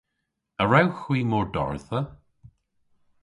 A wrewgh hwi mordardha?